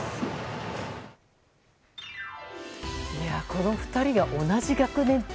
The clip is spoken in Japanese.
この２人が同じ学年。